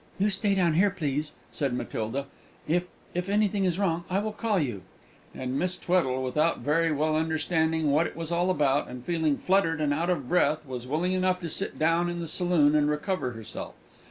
"You stay down here, please," said Matilda; "if if anything is wrong, I will call you." And Miss Tweddle, without very well understanding what it was all about, and feeling fluttered and out of breath, was willing enough to sit down in the saloon and recover herself.